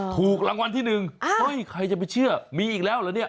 ถูกรางวัลที่หนึ่งเฮ้ยใครจะไปเชื่อมีอีกแล้วเหรอเนี่ย